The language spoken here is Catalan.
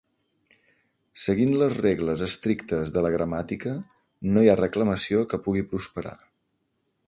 Seguint les regles estrictes de la gramàtica no hi ha reclamació que pugui prosperar.